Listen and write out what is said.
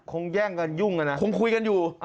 แย่งกันยุ่งกันนะคงคุยกันอยู่